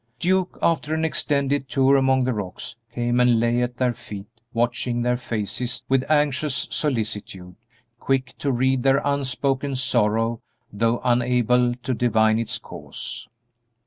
Duke, after an extended tour among the rocks, came and lay at their feet, watching their faces with anxious solicitude, quick to read their unspoken sorrow though unable to divine its cause.